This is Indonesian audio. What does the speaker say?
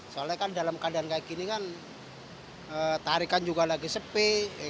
soalnya kan dalam keadaan kayak gini kan tarikan juga lagi sepi